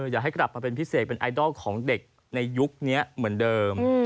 อยากให้กลับมาเป็นพิเศษเป็นไอดอลของเด็กในยุคนี้เหมือนเดิม